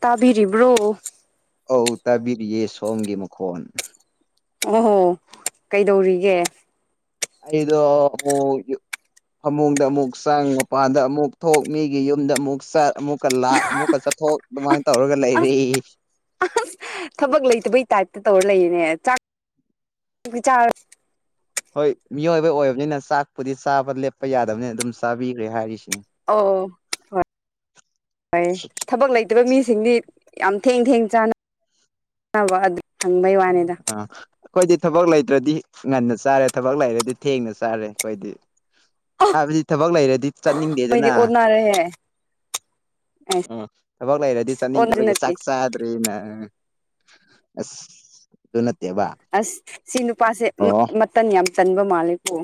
ꯇꯥꯕꯤꯔꯤꯕ꯭ꯔꯣ ꯑꯧ ꯇꯥꯕꯤꯔꯤꯌꯦ ꯁꯣꯝꯒꯤ ꯃꯈꯣꯟ ꯑꯣꯍꯣ ꯀꯩꯗꯧꯔꯤꯒꯦ ꯑꯩꯗꯣ ꯐꯃꯨꯡꯗ ꯑꯃꯨꯛ ꯆꯥꯡ ꯃꯄꯥꯟꯗ ꯑꯃꯨꯛ ꯊꯣꯛ ꯃꯤꯒꯤ ꯌꯨꯝꯗ ꯑꯃꯨꯛ ꯆꯠ ꯑꯃꯨꯛꯀ ꯂꯥꯛ ꯑꯃꯨꯛꯀ ꯆꯠꯊꯣꯛ ꯑꯗꯨꯃꯥꯏꯅ ꯇꯧꯔꯒ ꯑꯁ ꯂꯩꯔꯤ ꯊꯕꯛ ꯂꯩꯇꯕꯩ ꯇꯥꯏꯞꯇ ꯇꯧꯔ ꯂꯩꯌꯦꯅꯦ ꯆꯥꯛ ꯍꯣꯏ ꯃꯤꯑꯣꯏꯕ ꯑꯣꯏꯕꯅꯤꯅ ꯆꯥꯛꯄꯨꯗꯤ ꯆꯥꯕ ꯂꯦꯞꯄ ꯌꯥꯗꯕꯅꯤꯅ ꯑꯗꯨꯝ ꯆꯥꯕꯤꯈ꯭ꯔꯦ ꯍꯥꯏꯔꯤꯁꯤꯅꯦ ꯑꯣ ꯍꯣꯏ ꯍꯣꯏ ꯊꯕꯛ ꯂꯩ ꯃꯤꯁꯤꯡꯗꯤ ꯌꯥꯝ ꯊꯦꯡ ꯊꯦꯡ ꯆꯥꯅꯅꯕ ꯑꯗꯨ ꯍꯪꯕꯩ ꯋꯥꯅꯤꯗ ꯑꯥ ꯑꯩꯈꯣꯏꯗꯤ ꯊꯕꯛ ꯂꯩꯇ꯭ꯔꯗꯤ ꯉꯟꯅ ꯆꯥꯔꯦ ꯊꯕꯛ ꯂꯩꯔꯗꯤ ꯊꯦꯡꯅ ꯆꯥꯔꯦ ꯑꯩꯈꯣꯏꯗꯤ ꯍꯥꯏꯕꯗꯤ ꯊꯕꯛ ꯂꯩꯔꯗꯤ ꯃꯣꯏꯗꯤ ꯆꯠꯅꯤꯡꯗꯦꯗꯅ ꯑꯣꯟꯅꯔꯦꯍꯦ ꯑꯦꯁ ꯎꯝ ꯊꯕꯛ ꯂꯩꯔꯗꯤ ꯑꯣꯟꯗꯤ ꯆꯥꯅꯤꯡꯗꯕꯒꯤ ꯅꯠꯇꯦ ꯆꯥꯛ ꯆꯥ ꯅꯦꯅ ꯑꯁ ꯑꯗꯨ ꯅꯠꯇꯦꯕ ꯑꯁ ꯁꯤ ꯅꯨꯄꯥꯁꯦ ꯑꯣ ꯃꯇꯝ ꯌꯥꯝ ꯆꯟꯕ ꯃꯥꯜꯂꯦꯀꯣ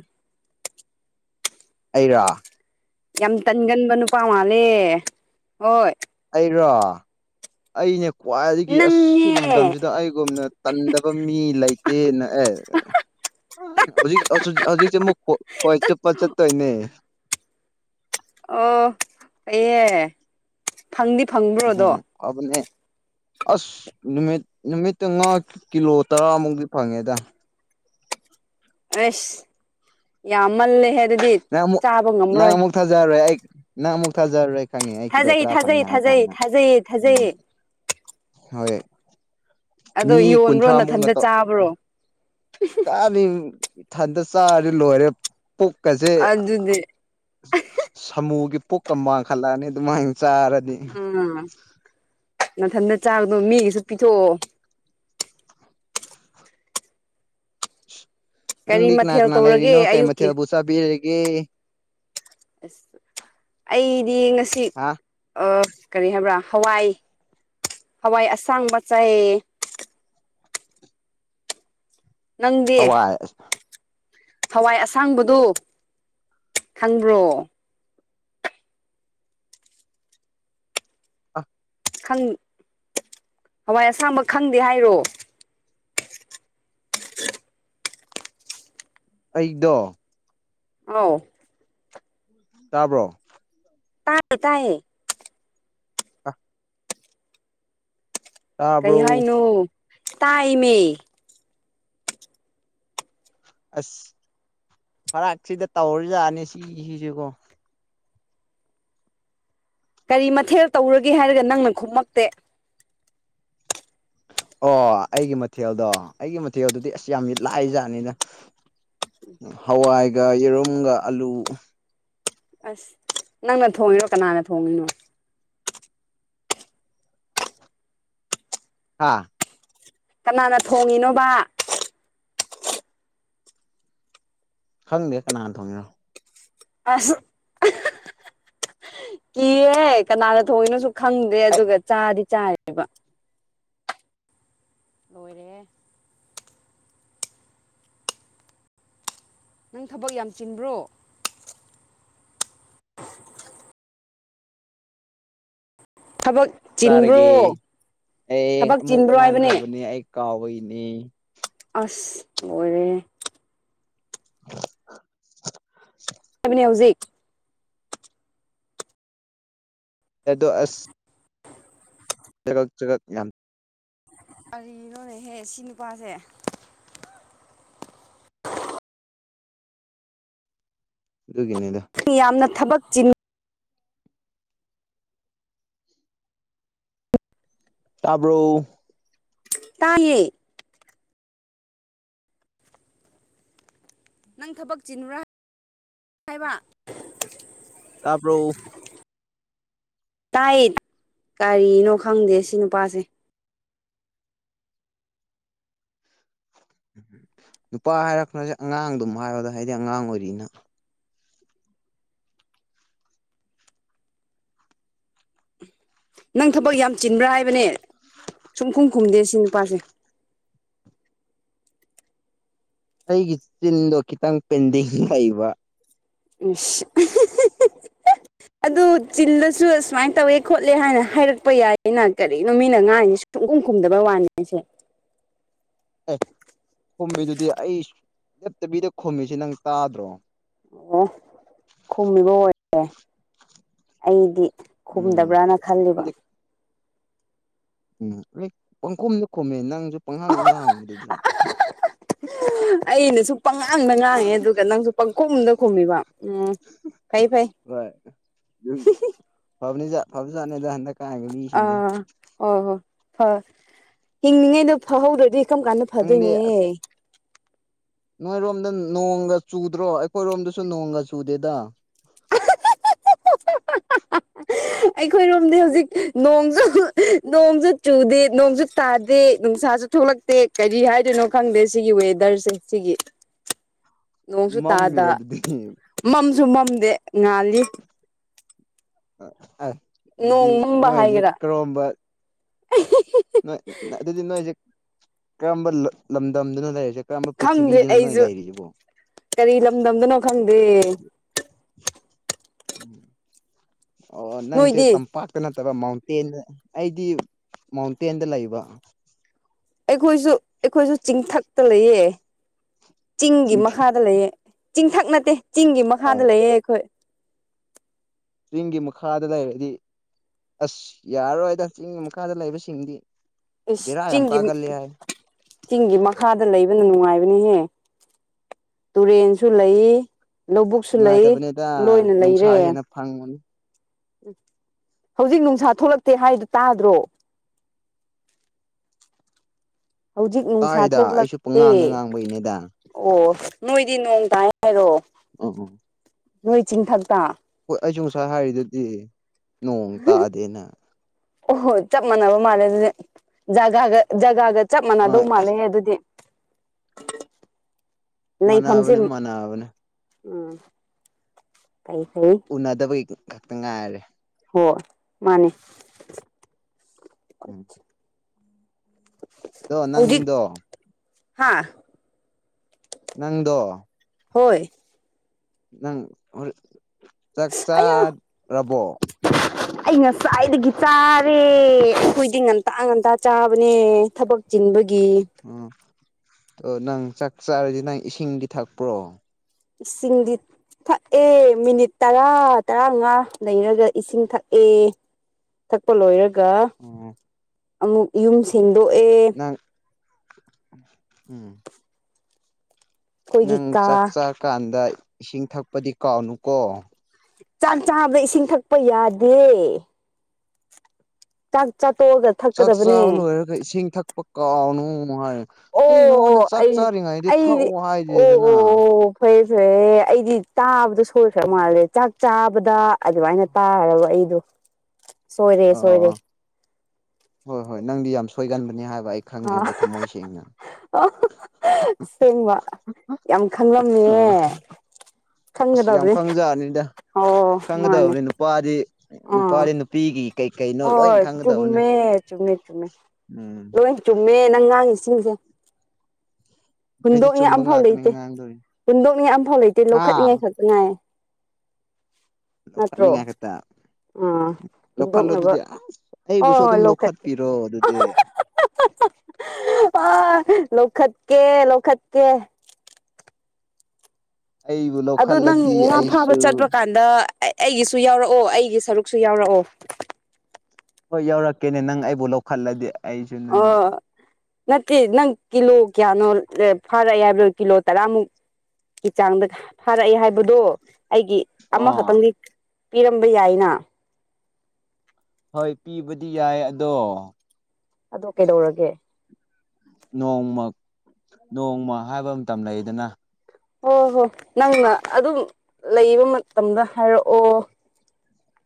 ꯑꯩꯔꯣ ꯌꯥꯝ ꯇꯟꯒꯟꯕ ꯅꯨꯄꯥ ꯃꯥꯜꯂꯦ ꯍꯣꯏ ꯑꯩꯔꯣ ꯑꯩꯅꯦ ꯈ꯭ꯋꯥꯏꯗꯒꯤ ꯑꯁ ꯅꯪꯅꯦ ꯂꯝꯗꯝꯁꯤꯗ ꯑꯩꯒꯨꯝꯅ ꯇꯟꯗꯕ ꯃꯤ ꯂꯩꯇꯦꯅ ꯑꯦ ꯎ ꯍꯧꯖꯤꯛ ꯍꯧꯖꯤꯛꯁꯦ ꯑꯃꯨꯛ ꯈꯣꯏ ꯆꯨꯞꯄ ꯆꯠꯇꯣꯏꯅꯦ ꯑꯣ ꯑꯦ ꯐꯪꯗꯤ ꯐꯪꯕ꯭ꯔꯣ ꯑꯗꯣ ꯐꯥꯕꯅꯦ ꯑꯁ ꯅꯨꯃꯤꯠ ꯅꯨꯃꯤꯠꯇ ꯉꯥ ꯀꯤꯂꯣ ꯇꯔꯥꯃꯨꯛꯗꯤ ꯐꯪꯉꯦꯗ ꯑꯁ ꯌꯥꯝꯃꯜꯂꯦ ꯍꯥꯏ ꯑꯗꯨꯗꯤ ꯆꯥꯕ ꯉꯝꯃꯔꯣꯏ ꯊꯥꯖꯔꯣꯏ ꯑꯩ ꯅꯪ ꯑꯃꯨꯛ ꯊꯥꯖꯔꯣꯏ ꯊꯥꯖꯩ ꯊꯥꯖꯩ ꯊꯥꯖꯩ ꯊꯥꯖꯩ ꯎꯝ ꯊꯥꯖꯩꯌꯦ ꯍꯣꯏ ꯑꯗꯣ ꯃꯤ ꯌꯣꯟꯕ꯭ꯔꯣ ꯀꯨꯟꯊ꯭ꯔꯥꯃꯨꯛꯅ ꯅꯥꯊꯟꯇ ꯆꯥꯕ꯭ꯔꯣ ꯀꯥꯅꯤ ꯏꯊꯟꯇ ꯆꯥꯔꯗꯤ ꯂꯣꯏꯔꯦ ꯄꯣꯛꯀꯁꯦ ꯑꯗꯨꯗꯤ ꯁꯥꯃꯨꯒꯤ ꯄꯨꯛꯀ ꯃꯥꯡꯈꯠꯂꯛꯑꯅꯤ ꯑꯗꯨꯃꯥꯏꯅ ꯆꯥꯔꯗꯤ ꯎꯝ ꯅꯊꯟꯇ ꯆꯥꯕꯅꯣ ꯃꯤꯒꯤꯁꯨ ꯄꯤꯊꯣꯛꯑꯣ ꯀꯔꯤ ꯅꯪꯗꯤ ꯀꯅꯥ ꯃꯊꯦꯜ ꯀꯅꯥ ꯂꯩꯔꯤꯅꯣ ꯇꯧꯔꯒꯦ ꯀꯩ ꯑꯌꯨꯛꯀꯤ ꯃꯊꯦꯜꯕꯨ ꯆꯥꯕꯤꯔꯒꯦ ꯑꯁ ꯑꯩꯗꯤ ꯉꯁꯤ ꯍꯥ ꯀꯔꯤ ꯍꯥꯏꯕ꯭ꯔꯥ ꯍꯋꯥꯏ ꯍꯋꯥꯏ ꯑꯁꯥꯡꯕ ꯆꯥꯏ ꯅꯪꯗꯤ ꯍꯋꯥꯏ ꯍꯋꯥꯏ ꯑꯁꯥꯡꯕꯗꯨ ꯈꯪꯕ꯭ꯔꯣ [unintelligible] ꯍꯋꯥꯏ ꯑꯁꯥꯡꯕ ꯈꯪꯗꯦ ꯍꯥꯏꯔꯣ ꯑꯩꯗꯣ ꯑꯥꯎ ꯇꯥꯕ꯭ꯔꯣ ꯇꯥꯏ ꯇꯥꯏꯌꯦ ꯀꯩ ꯇꯥꯕ꯭ꯔꯣ ꯍꯥꯏꯅꯣ ꯇꯥꯏꯌꯦꯃꯤ ꯑꯁ ꯐꯔꯥꯛ ꯁꯤꯗ ꯇꯧꯔꯖꯥꯅꯤ ꯁꯤꯁꯤ ꯁꯤꯀꯣ ꯀꯔꯤ ꯃꯊꯦꯜ ꯇꯧꯔꯒꯦ ꯍꯥꯏꯔꯒ ꯅꯪꯅ ꯈꯨꯨꯝꯃꯛꯇꯦ ꯑꯣ ꯑꯩꯒꯤ ꯃꯊꯦꯜꯗꯣ ꯑꯩꯒꯤ ꯃꯊꯦꯜꯗꯨꯗꯤ ꯑꯁ ꯌꯥꯝ ꯂꯥꯏ ꯖꯥꯠꯅꯤꯗ ꯍꯋꯥꯏꯒ ꯌꯦꯔꯨꯝꯒ ꯑꯥꯂꯨ ꯑꯁ ꯅꯪꯅ ꯊꯣꯡꯉꯤꯔꯣ ꯀꯅꯥꯅ ꯊꯣꯡꯉꯤꯅꯣ ꯍꯥꯥ ꯀꯅꯥꯅ ꯊꯣꯡꯉꯤꯅꯣꯕ꯫ ꯈꯪꯗꯦ ꯀꯅꯥꯅ ꯊꯣꯡꯉꯤꯅꯣ꯫ ꯑꯁ ꯑꯍꯥꯑꯍꯥ ꯀꯤꯍꯦ ꯀꯅꯥꯗ ꯊꯣꯛꯏꯅꯣꯁꯨ ꯈꯪꯗꯦ ꯑꯩ ꯑꯗꯨꯒ ꯆꯥꯗꯤ ꯆꯥꯏꯅꯦꯕꯥ꯫ ꯂꯣꯏꯔꯦꯍꯦ꯫ ꯅꯪ ꯊꯕꯛ ꯌꯥꯝ ꯆꯤꯟꯕ꯭ꯔꯣ꯫ [inaudible] ꯊꯕꯛ ꯆꯥꯔꯒꯦ ꯆꯤꯟꯕ꯭ꯔꯣ ꯑꯦ ꯊꯕꯛ ꯑꯃꯨꯛ ꯆꯤꯟꯕ꯭ꯔꯣ ꯍꯥꯏꯕꯅꯦ ꯉꯥꯡꯈ꯭ꯔꯕꯅꯦ ꯑꯩ ꯀꯥꯎꯕꯩꯅꯦ꯫ ꯑꯁ ꯂꯣꯏꯔꯦꯍꯦ꯫ [inaudible] ꯕꯅꯦ ꯍꯧꯖꯤꯛ ꯑꯗꯣ ꯑꯁ ꯆꯒꯛ ꯆꯒꯛ ꯌꯥꯝ ꯀꯔꯤꯅꯣꯅꯦꯍꯦ ꯁꯤ ꯅꯨꯄꯥꯁꯦ꯫ ꯑꯗꯨꯒꯤꯅꯤꯗ ꯌꯥꯝꯅ ꯊꯕꯛ ꯆꯤꯟ ꯇꯥꯕ꯭ꯔꯣ ꯇꯥꯏꯌꯦ꯫ ꯅꯪ ꯊꯕꯛ ꯆꯤꯟꯕꯔꯥ ꯍꯥꯏꯕ꯫ ꯇꯥꯕꯔꯣ ꯇꯥꯏ ꯀꯔꯤꯅꯣ ꯈꯪꯗꯦ ꯁꯤ ꯅꯨꯄꯥꯁꯦ꯫ ꯎꯝ ꯅꯨꯄꯥ ꯍꯥꯏꯔꯛꯇꯔꯁꯦ ꯑꯉꯥꯡꯗꯨꯝ ꯍꯥꯏꯌꯣꯗ ꯑꯩꯗꯤ ꯑꯉꯥꯡ ꯑꯣꯏꯔꯤꯅ꯫ ꯅꯪ ꯊꯕꯛ ꯌꯥꯝ ꯆꯤꯟꯕ꯭ꯔꯥ ꯍꯥꯏꯕꯅꯦ ꯁꯨꯝ ꯈꯨꯝ ꯈꯨꯝꯗꯦ ꯁꯤ ꯅꯨꯄꯥꯁꯦ꯫ ꯑꯩꯒꯤ ꯆꯤꯟꯗꯣ ꯈꯤꯇꯪ ꯄꯦꯟꯗꯤꯡ ꯂꯩꯕ꯫ ꯏꯁ ꯑꯗꯨ ꯆꯤꯜꯂꯁꯨ ꯑꯁꯨꯃꯥꯏꯅ ꯇꯧꯋꯦ ꯈꯣꯠꯂꯦ ꯍꯥꯏꯅ ꯍꯥꯏꯔꯛꯄ ꯌꯥꯏꯌꯦꯅ ꯀꯔꯤꯅꯣꯃꯤꯅ ꯉꯥꯡꯉꯤꯁꯦ꯫ ꯁꯨꯡꯈꯨꯝ ꯈꯨꯝꯗꯕꯩ ꯋꯥꯅꯤ ꯁꯦ꯫ ꯑꯦ ꯈꯨꯝꯃꯤꯗꯨꯗꯤ ꯑꯩ ꯂꯦꯞꯇꯕꯤꯗ ꯈꯨꯝꯃꯤꯁꯤ ꯅꯪ ꯇꯥꯗ꯭ꯔꯣ꯫ ꯑꯣ ꯈꯨꯝꯃꯤꯕ ꯑꯣꯏꯔꯦ ꯑꯩꯗꯤ ꯎꯝ ꯈꯨꯝꯗꯕ꯭ꯔꯅ ꯈꯜꯂꯤꯕ ꯈꯨꯝꯗꯤ ꯎꯝ ꯑꯩ ꯄꯪꯈꯨꯝꯗ ꯈꯨꯝꯃꯦ ꯅꯪꯁꯨ ꯄꯪꯍꯥꯡꯗ ꯍꯥꯡꯕꯗꯨꯗ ꯑꯩꯅꯁꯨ ꯄꯪꯉꯥꯡꯗ ꯉꯥꯡꯉꯦ ꯑꯗꯨꯒ ꯅꯪꯁꯨ ꯄꯪꯈꯨꯝꯗ ꯈꯨꯝꯃꯤꯕ ꯎꯝ ꯐꯩ ꯐꯩ꯫ [unintelligible] ꯐꯕꯅꯤ ꯐꯕꯖꯥꯠꯅꯤꯗ ꯍꯟꯗꯛꯀꯥꯟꯒꯤ ꯃꯤꯁꯤꯡꯁꯦ ꯑꯥ ꯑꯣ ꯍꯣꯏ ꯍꯤꯡꯉꯤꯉꯩꯗ ꯐꯥꯎꯍꯧꯗ꯭ꯔꯗꯤ꯫ ꯁꯨꯝ ꯀꯥꯟꯗ ꯅꯪꯗꯤ ꯐꯗꯣꯏꯅꯦ꯫ ꯑꯁ ꯅꯣꯏꯔꯣꯝꯗ ꯅꯣꯡꯒ ꯆꯨꯗ꯭ꯔꯣ ꯑꯩꯈꯣꯏꯔꯣꯝꯗꯁꯨ ꯅꯣꯡꯒ ꯆꯨꯗꯦꯗ꯫ ꯑꯩꯈꯣꯏꯔꯣꯝꯗꯤ ꯍꯧꯖꯤꯛ ꯅꯣꯡꯁꯨ ꯅꯣꯡꯁꯨ ꯆꯨꯗꯦ ꯅꯣꯡꯁꯨ ꯇꯥꯗꯦ ꯅꯨꯡꯁꯥꯁꯨ ꯊꯣꯛꯂꯛꯇꯦ ꯀꯔꯤ ꯍꯥꯏꯗꯣꯏꯅꯣ ꯈꯪꯗꯦ ꯁꯤꯒꯤ ꯋꯦꯗꯔꯁꯦ ꯁꯤꯒꯤ꯫ ꯅꯣꯡꯁꯨ ꯇꯥꯗ ꯃꯝꯃꯤꯔꯣ ꯑꯗꯨꯗꯤ ꯃꯝꯁꯨ ꯃꯝꯗꯦ ꯉꯥꯜꯂꯤ꯫ ꯑꯁ ꯑꯗꯨꯗꯤ ꯅꯣꯡ ꯃꯝꯕ ꯅꯣꯏꯁꯦ ꯍꯥꯏꯒꯦꯔꯥ ꯀꯔꯣꯝꯕ [inaudible] ꯅꯣꯏ ꯑꯗꯨꯗꯤ ꯅꯣꯏꯁꯦ ꯀꯔꯝꯕ ꯂꯝꯗꯝꯗꯅꯣ ꯂꯩꯔꯤꯁꯦ ꯀꯔꯝꯕ ꯈꯪꯗꯦ ꯄ꯭ꯔꯤꯊꯤꯕꯤꯗꯅꯣ ꯅꯣꯏ ꯑꯩꯁꯨ ꯂꯩꯔꯤꯁꯤꯕꯣ ꯀꯔꯤ ꯂꯝꯗꯝꯗꯅꯣ ꯈꯪꯗꯦ꯫ ꯑꯣ ꯅꯪꯁꯦ ꯅꯣꯏꯗꯤ ꯇꯝꯄꯥꯛ ꯅꯠꯇꯕ ꯃꯥꯎꯟꯇꯦꯟ ꯑꯩꯗꯤ ꯃꯥꯎꯟꯇꯦꯟꯗ ꯂꯩꯕ꯫ ꯑꯩꯈꯣꯏꯁꯨ ꯑꯩꯈꯣꯏꯁꯨ ꯆꯤꯡꯊꯛꯇ ꯂꯩꯌꯦ ꯆꯤꯡꯒꯤ ꯆꯤꯡꯊ ꯃꯈꯥꯗ ꯂꯩꯌꯦ ꯆꯤꯡꯊꯛ ꯅꯠꯇꯦ ꯆꯤꯡꯒꯤ ꯃꯈꯥꯗ ꯂꯩꯌꯦ ꯑꯩꯈꯣꯏ ꯆꯤꯡꯒꯤ ꯃꯈꯥꯗ ꯂꯩꯔꯗꯤ ꯑꯁ ꯌꯥꯔꯔꯣꯏꯗ ꯆꯤꯡꯒꯤ ꯃꯈꯥꯗ ꯂꯩꯕꯁꯤꯡꯗꯤ ꯏꯁ ꯕꯦꯔꯥ ꯌꯥꯝ ꯆꯤꯡꯒꯤ ꯀꯥꯒꯜꯂꯦ ꯍꯥꯏ ꯆꯤꯡꯒꯤ ꯃꯈꯥꯗ ꯂꯩꯕꯅ ꯅꯨꯡꯉꯥꯏꯕꯅꯤꯍꯦ ꯇꯨꯔꯦꯟꯁꯨ ꯂꯩ ꯂꯧꯕꯨꯛꯁꯨ ꯂꯩ ꯂꯣꯏꯅ ꯂꯩꯔꯦ ꯐꯪ ꯕꯅꯤ ꯍꯧꯖꯤꯛ ꯅꯨꯡꯁꯥ ꯊꯣꯛꯂꯛꯇꯦ ꯍꯥꯏꯗꯨ ꯇꯥꯗ꯭ꯔꯣ ꯍꯧꯖꯤꯛ ꯅꯨꯡꯁꯥ ꯇꯥꯏꯗ ꯑꯩꯁꯨ ꯊꯣꯛꯂꯛꯇꯦ ꯄꯉꯥꯡꯗ ꯉꯥꯡꯕꯩꯅꯦꯗ ꯑꯣ ꯅꯣꯏꯗꯤ ꯅꯣꯡ ꯇꯥꯏ ꯍꯥꯏꯔꯣ ꯑꯣ ꯑꯣ ꯅꯣꯏ ꯆꯤꯡꯊꯛꯇ ꯍꯣꯏ ꯑꯩꯁꯨ ꯉꯁꯥꯏ ꯍꯥꯏꯔꯤꯗꯨꯗꯤ ꯅꯣꯡ ꯇꯥꯗꯦꯅ ꯑꯣꯍꯣꯏ ꯆꯞ ꯃꯥꯟꯅꯕ ꯃꯥꯜꯂꯦ ꯑꯗꯨꯗꯤ ꯖꯒꯥꯒ ꯖꯒꯥꯒ ꯆꯞ ꯑ ꯃꯥꯟꯅꯗꯧ ꯃꯥꯜꯂꯦ ꯑꯁ ꯑꯗꯨꯗꯤ ꯂꯩꯐꯝꯁꯦ ꯃꯥꯟꯅꯕꯅꯦ ꯃꯥꯟꯅꯕꯅꯦ ꯎꯝ ꯐꯩ ꯐꯩ ꯎꯅꯗꯕꯒꯤ ꯈꯛꯇ ꯉꯥꯏꯔꯦ ꯍꯣ ꯃꯥꯅꯦ ꯎꯝ ꯑꯗꯣ ꯅꯪꯗꯣ ꯍꯥꯥ ꯅꯪꯗꯣ ꯍꯣꯏ ꯅꯪ ꯆꯥꯛ ꯑꯌꯥ ꯆꯥꯔꯕꯣ [unintelligible] ꯑꯩ ꯉꯁꯥꯏꯗꯒꯤ ꯆꯥꯔꯦ ꯑꯩꯈꯣꯏꯗꯤ ꯉꯟꯇꯥ ꯉꯟꯇꯥ ꯆꯥꯕꯅꯦ ꯊꯕꯛ ꯆꯤꯟꯕꯒꯤ ꯑꯣ ꯑ ꯅꯪ ꯆꯥꯛ ꯆꯥꯔꯤꯁꯤ ꯅꯪ ꯏꯁꯤꯡꯗꯤ ꯊꯛꯄ꯭ꯔꯣ ꯏꯁꯤꯡ ꯂꯤꯠ ꯊꯛꯑꯦ ꯃꯤꯅꯤꯠ ꯇꯔꯥ ꯇꯔꯥꯃꯉꯥ ꯂꯩꯔꯒ ꯏꯁꯤꯡ ꯊꯛꯑꯦ ꯊꯛꯄ ꯂꯣꯏꯔꯒ ꯎꯝ ꯑꯃꯨꯛ ꯌꯨꯝ ꯁꯦꯡꯗꯣꯛꯑꯦ ꯎꯝ ꯑꯩꯈꯣꯏꯒꯤ ꯅꯪ ꯀꯥ ꯆꯥꯛ ꯆꯥꯀꯥꯟꯗ ꯏꯁꯤꯡ ꯊꯛꯄꯗꯤ ꯀꯥꯎꯅꯨꯀꯣ ꯆꯥꯛ ꯆꯥꯕ ꯏꯁꯤꯡ ꯊꯛꯄ ꯌꯥꯗꯦ ꯆꯥꯛ ꯆꯥꯛꯠ ꯍꯒꯦ ꯆꯥꯛ ꯆꯥꯕ ꯂꯣꯏꯔꯒ ꯏꯁꯤꯡ ꯊꯛꯄ ꯀꯥꯎꯅꯨ ꯍꯥꯏꯔ ꯑꯩ ꯑꯣ ꯑꯣ ꯅꯉꯣꯟꯗ ꯆꯥꯛ ꯑꯩ ꯆꯥꯔꯤꯉꯩꯗꯤ ꯑꯩꯗꯤ ꯊꯛꯑꯣ ꯑꯣ ꯍꯥꯏꯗꯦꯗꯅ ꯑꯣ ꯑꯣ ꯐꯔꯦ ꯐꯔꯦ ꯑꯩꯗꯤ ꯇꯥꯕꯗ ꯁꯣꯏꯈ꯭ꯔ ꯃꯥꯜꯂꯦ ꯆꯥꯛ ꯆꯥꯕꯗ ꯑꯗꯨ ꯑꯩꯅ ꯇꯥꯈꯔꯕ ꯑꯩꯗꯣ ꯁꯣꯏꯔꯦ ꯁꯣꯏꯔꯦ ꯑꯣ ꯍꯣꯏ ꯍꯣꯏ ꯅꯪꯗꯤ ꯌꯥꯝ ꯁꯣꯏꯒꯟꯕꯅꯤ ꯍꯥꯏꯕ ꯑꯩ ꯈꯪꯉꯦꯕ ꯊꯝꯃꯣꯏ ꯁꯦꯡꯅ ꯑ ꯁꯦꯡꯕ ꯌꯥꯝ ꯈꯪꯂꯝꯃꯦ ꯑ ꯑꯁ ꯌꯥꯝ ꯈꯪꯒꯗꯕꯅꯦ ꯈꯪꯖꯅꯤꯗ ꯑꯣ ꯃꯥꯅꯦ ꯈꯪꯒꯗꯕꯅꯤ ꯅꯨꯄꯥꯗꯤ ꯑꯥ ꯅꯨꯄꯥꯗꯤ ꯄꯤꯒꯤ ꯍꯣꯏ ꯆꯨꯝꯃꯦ ꯆꯨꯝꯃꯦ ꯆꯨꯝꯃꯦ ꯎꯝ ꯂꯣꯏ ꯆꯨꯝꯃꯦ ꯅꯪꯉꯥꯡ ꯏꯁꯤꯡꯁꯦ ꯑꯩꯗꯤ ꯍꯨꯟꯗꯣꯛꯅꯤꯡꯉ ꯆꯨꯝꯕ ꯑꯝꯐꯥꯎ ꯉꯥꯛꯇꯅꯤ ꯂꯩꯇꯦ ꯉꯥꯡꯗꯣꯏ ꯍꯨꯟꯗꯣꯛꯅꯤꯡꯉ ꯑꯝꯐꯥꯎ ꯂꯩꯇꯦ ꯍꯥ ꯂꯧꯈꯠꯅꯤꯡꯉꯥꯏ ꯈꯠꯇꯉꯥꯏ ꯂꯧꯈꯠꯅꯤꯡꯉꯥꯏ ꯈꯛꯇ ꯑꯥ ꯂꯧꯈꯠꯂꯣ ꯍꯨꯟꯗꯣꯛꯅꯕ ꯑꯗꯨꯗꯤ ꯑꯁ ꯍꯣꯏ ꯑꯩꯕꯨꯁꯨ ꯑꯗꯨꯝ ꯂꯧꯈꯠꯄꯤꯔꯣ ꯑꯗꯨꯗꯤ ꯑ ꯂꯧꯈꯠꯀꯦ ꯂꯧꯈꯠꯀꯦ ꯑꯩꯕꯨ ꯑꯗꯨ ꯅꯪ ꯂꯧꯈꯠꯂꯗꯤ ꯉꯅꯥ ꯐꯕ ꯑꯩꯁꯨ ꯆꯠꯄꯥꯦ ꯑꯗ ꯑꯩꯒꯤꯁꯨ ꯌꯥꯎꯔꯛꯑꯣ ꯑꯩꯒꯤ ꯁꯔꯨꯛꯁꯨ ꯌꯥꯎꯔꯛꯑꯣ ꯍꯣꯏ ꯌꯧꯔꯛꯀꯦꯅꯦ ꯅꯪ ꯑꯩꯕꯨ ꯂꯧꯈꯠꯂꯗꯤ ꯑꯩꯁꯨ ꯅꯪ ꯑꯣ ꯅꯠꯇꯦ ꯅꯪ ꯀꯤꯂꯣ ꯀꯌꯥꯅꯣ ꯐꯥꯔꯛꯑꯦ ꯍꯥꯏꯕ꯭ꯔꯣ ꯀꯤꯂꯣ ꯇꯔꯥꯃꯨꯛ ꯀ ꯆꯥꯡꯗ ꯐꯥꯔꯛꯑꯦ ꯍꯥꯏꯕꯗꯣ ꯑꯩꯒꯤ ꯑꯥ ꯑꯃꯈꯛꯇꯪꯗꯤ ꯄꯤꯔꯝꯕ ꯌꯥꯏꯅ ꯍꯣꯏ ꯄꯤꯕꯗꯤ ꯌꯥꯏ ꯑꯗꯣ ꯑꯗꯣ ꯀꯩꯗꯧꯔꯒꯦ ꯅꯣꯡꯃ ꯅꯣꯡꯃ ꯍꯥꯏꯕ ꯃꯇꯝ ꯂꯩꯗꯅ ꯍꯣ ꯍꯣ ꯅꯪꯅ ꯑꯗꯨꯝ ꯂꯩꯕ ꯃꯇꯝꯗ ꯍꯥꯏꯔꯛꯑꯣ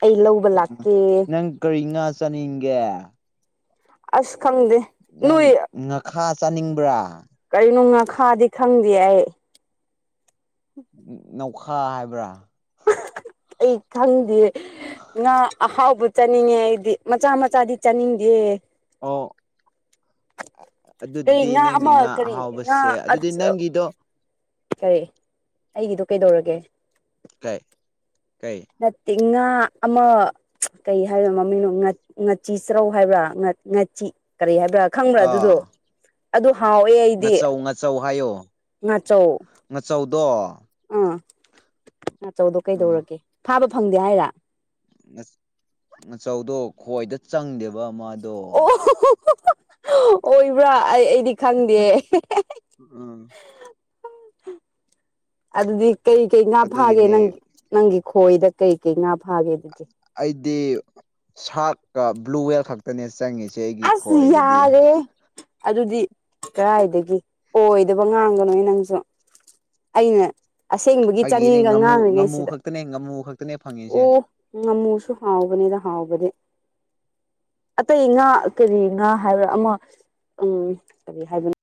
ꯑꯩ ꯂꯧꯕ ꯂꯥꯛꯀꯦ ꯅꯪ ꯀꯔꯤ ꯉꯥ ꯆꯥꯅꯤꯡꯒꯦ ꯑꯁ ꯈꯪꯗꯦ ꯅꯪ ꯅꯣꯏ ꯉꯈꯥ ꯆꯥꯅꯤꯡꯕ꯭ꯔꯥ ꯀꯔꯤꯅꯣ ꯉꯥꯈꯥꯗꯤ ꯈꯪꯗꯦ ꯑꯩ ꯅꯧꯈꯥ ꯍꯥꯏꯕ꯭ꯔꯥ ꯑꯩ ꯈꯪꯗꯦ ꯉꯥ ꯑꯍꯥꯎꯕ ꯆꯥꯅꯤꯡꯉꯦ ꯑꯩꯗꯤ ꯃꯆꯥ ꯃꯆꯥꯗꯤ ꯆꯥꯅꯤꯡꯗꯦ ꯑꯣ ꯀꯔꯤ ꯑꯗꯨꯗꯤ ꯅꯪꯒꯤ ꯑꯃ ꯉꯥ ꯀꯔꯤ ꯉꯥ ꯑꯍꯥꯎꯕꯁꯦ ꯑꯗꯨꯗꯤ ꯅꯪꯒꯤꯗꯣ ꯀꯔꯤ ꯑꯩꯒꯤꯗꯣ ꯀꯩꯗꯧꯔꯒꯦ ꯀꯥꯏ ꯀꯥꯏ ꯠꯇꯤꯡ ꯉꯥ ꯑꯃ ꯀꯔꯤ ꯍꯥꯏꯕ ꯃꯃꯤꯡꯅꯣ ꯉꯥꯆꯤ ꯆ꯭ꯔꯧ ꯍꯥꯏꯕ꯭ꯔꯥ ꯉꯥꯆꯤ ꯀꯔꯤ ꯍꯥꯏꯕꯥ ꯈ꯭ꯔꯥ ꯈꯪꯕ꯭ꯔꯥ ꯑꯥ ꯑꯗꯨꯗꯣ ꯑꯗꯨ ꯍꯥꯎꯋꯦ ꯑꯩꯗꯤ ꯉꯥꯆꯧ ꯉꯥꯆꯧ ꯉꯆꯧꯗꯣ ꯑꯥ ꯑꯆꯧꯗꯣ ꯎꯝ ꯀꯩꯗꯧꯔꯒꯦ ꯐꯥꯕ ꯐꯪꯗꯦ ꯍꯥꯏꯔ ꯅꯆꯧꯗꯣ ꯈꯣꯏꯗ ꯆꯪꯗꯦꯕ ꯃꯥꯗꯣ ꯑꯣ ꯑꯣꯏꯕ꯭ꯔꯥ ꯑꯩ ꯑꯩꯗꯤ ꯈꯪꯗꯦ ꯎꯝ ꯑꯗꯨꯗꯤ ꯀꯩꯀꯩ ꯉꯥ ꯐꯥꯒꯦ ꯑꯗꯨꯒꯤꯅꯦ ꯅꯪ ꯅꯪꯒꯤ ꯈꯣꯏꯗ ꯀꯩꯀꯩ ꯉꯥ ꯐꯥꯒꯦ ꯑꯗꯨꯗꯤ ꯑꯩꯗꯤ ꯁꯥꯔꯀ ꯕ꯭ꯂꯨꯋꯦꯜ ꯈꯛꯇꯅꯦ ꯆꯪꯉꯁꯤ ꯑꯁ ꯌꯥꯔꯦ ꯑꯗꯨꯗꯤ ꯀꯔꯥꯏꯗꯒꯤ ꯑꯣꯏꯗꯕ ꯉꯥꯡꯒꯅꯨ ꯅꯪꯁꯨ ꯑꯩꯅ ꯑꯁꯦꯡꯕꯒꯤ ꯐꯩꯒꯤꯅꯦ ꯆꯥꯅꯤꯡꯒ ꯉꯥꯃꯨ ꯉꯥꯃꯨ ꯉꯥꯡꯉꯤꯉꯩꯁꯤꯗ ꯈꯛꯇꯅꯦ ꯉꯥꯃꯨ ꯈꯛꯇꯅꯦ ꯐꯪꯉꯁꯦ ꯉꯃꯨꯁꯨ ꯍꯥꯎꯕꯅꯤꯗ ꯍꯥꯎꯕꯗꯤ ꯑꯇꯩ ꯉꯥ ꯀꯔꯤ ꯉꯥ ꯍꯥꯏꯕ ꯑꯃ ꯎꯝ ꯀꯔꯤ ꯍꯥꯏꯕꯅꯣ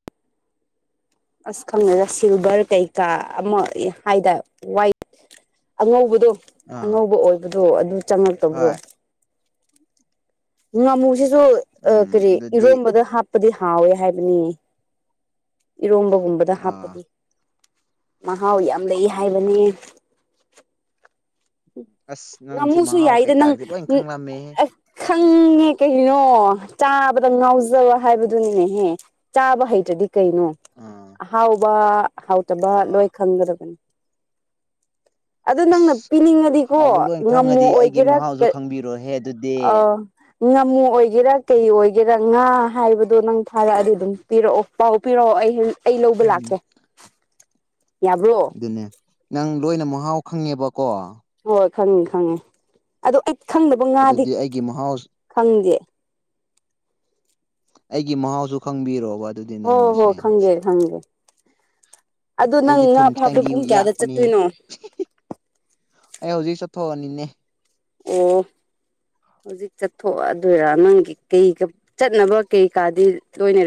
ꯑꯁ ꯈꯪꯉꯒ ꯁꯤꯜꯚꯔ ꯀꯩꯀꯥ ꯑꯃ ꯍꯥꯏꯇꯥꯔꯦ ꯋꯥꯏꯠ ꯑꯉꯧꯕꯗꯣ ꯑꯥ ꯑꯉꯧꯕ ꯑꯣꯏꯕꯗꯣ ꯑꯗꯨ ꯆꯪꯉꯛꯇꯕ꯭ꯔꯣ ꯍꯣꯏ ꯉꯥꯃꯨꯁꯤꯁꯨ ꯎꯝ ꯀꯔꯤ ꯑꯗꯨꯗꯤ ꯏꯔꯣꯝꯕꯗ ꯍꯥꯞ ꯍꯥꯞꯄꯗꯤ ꯍꯥꯎꯋꯦ ꯍꯥꯏꯕꯅꯤꯌꯦ ꯏꯔꯣꯝꯕꯒꯨꯝꯕꯗ ꯑꯥ ꯍꯥꯞꯄꯗꯤ ꯃꯍꯥꯎ ꯌꯥꯝ ꯂꯩ ꯍꯥꯏꯕꯅꯦ ꯑꯁ ꯅꯪꯁꯦ ꯉꯥꯃꯨꯁꯨ ꯃꯍꯥꯎ ꯌꯥꯏꯗ ꯅꯪ ꯀꯩꯀꯥꯒꯤꯗꯤ ꯂꯣꯏ ꯈꯪꯂꯝꯃꯦ ꯑꯁ ꯈꯪꯉꯦ ꯀꯩꯅꯣ ꯆꯥꯕꯗ ꯉꯥꯎꯖꯕ ꯍꯥꯏꯕꯗꯨꯅꯤꯅꯦꯍꯦ ꯆꯥꯕ ꯍꯩꯇ꯭ꯔꯗꯤ ꯀꯩꯅꯣ ꯑꯥ ꯑꯍꯥꯎꯕ ꯍꯥꯎꯇꯕ ꯑꯥ ꯂꯣꯏ ꯈꯪꯒꯗꯕꯅꯤ ꯑꯗꯣ ꯅꯪꯅ ꯑꯁ ꯄꯤꯅꯤꯡꯉꯗꯤꯀꯣ ꯍꯥꯎꯕ ꯂꯣꯏ ꯉꯝꯃꯣ ꯈꯪꯉꯗꯤ ꯑꯩꯒꯤ ꯑꯣꯏꯒꯦꯔꯥ ꯃꯍꯥꯎꯁꯨ ꯈꯪꯕꯤꯔꯣꯍꯦ ꯑꯗꯨꯗꯤ ꯑꯥ ꯉꯥꯃꯨ ꯑꯣꯏꯒꯦꯔꯥ ꯀꯩ ꯑꯣꯏꯒꯦꯔꯥ ꯉꯥ ꯍꯥꯏꯕꯗꯣ ꯅꯪ ꯊꯥꯔꯛꯑꯗꯤ ꯑꯗꯨꯝ ꯄꯤꯔꯛꯑꯣ ꯄꯥꯎ ꯄꯤꯔꯛꯑꯣ ꯑꯩ ꯑꯩ ꯂꯧꯕ ꯎꯝ ꯂꯥꯛꯀꯦ ꯌꯥꯕ꯭ꯔꯣ ꯑꯗꯨꯅꯦ ꯅꯪ ꯂꯣꯏꯅ ꯃꯍꯥꯎ ꯈꯪꯉꯦꯕꯀꯣ ꯍꯣꯏ ꯈꯪꯉꯦ ꯈꯪꯉꯦ ꯑꯗꯣ ꯑꯩ ꯈꯪꯗꯕ ꯉꯥꯗꯤ ꯑꯗꯨꯗꯤ ꯑꯩꯒꯤ ꯃꯍꯥꯎ ꯈꯪꯗꯦ ꯑꯩꯒꯤ ꯃꯍꯥꯎꯁꯨ ꯈꯪꯕꯤꯔꯣꯕ ꯑꯗꯨꯗꯤ ꯍꯣ ꯍꯣ ꯅꯪꯅꯁꯦ ꯈꯪꯒꯦ ꯈꯪ ꯑꯗꯨꯗꯣ ꯅꯪ ꯑꯩꯗꯤ ꯉꯥ ꯊꯨꯝ ꯐꯥꯕꯗꯣ ꯈꯤꯇꯪꯗꯤ ꯄꯨꯡ ꯀꯌꯥꯗ ꯌꯥꯛꯄꯅꯦꯍꯦ ꯆꯠꯇꯣꯏꯅꯣ ꯑꯩ ꯍꯧꯖꯤꯛ ꯆꯠꯊꯣꯛꯑꯅꯤꯅꯦ ꯑꯣ ꯍꯧꯖꯤꯛ ꯆꯠꯊꯣꯛꯗꯣꯏꯔꯥ ꯅꯪꯒꯤ ꯀꯩ ꯆꯠꯅꯕ ꯀꯩꯀꯥꯗꯤ ꯂꯣꯏꯅ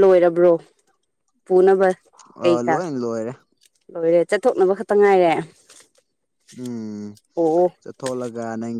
ꯂꯣꯏꯔꯕ꯭ꯔꯣ ꯄꯨꯅꯕ ꯑ ꯀꯩꯀꯥ ꯂꯣꯏ ꯂꯣꯏꯔꯦ ꯂꯣꯏꯔꯦ ꯆꯠꯊꯣꯛꯅꯕ ꯈꯛꯇ ꯉꯥꯏꯔꯦ ꯎꯝ ꯑꯣ ꯆꯠꯊꯣꯛꯂꯒ ꯅꯪ